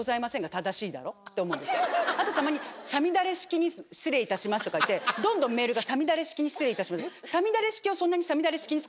あとたまに「五月雨式に失礼いたします」とかいってどんどんメールが「五月雨式に失礼いたします」。